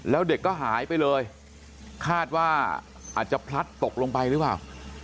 แล้วเด็กก็หายไปเลยคาดว่าอาจจะพลัดตกลงไปหรือเปล่า